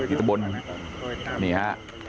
อิตะบลนี่ฮะ